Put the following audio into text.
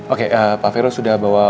oke pak vero sudah bawa